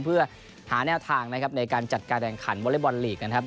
เพื่อหาแนวทางนะครับในการจัดการแข่งขันวอเล็กบอลลีกนะครับ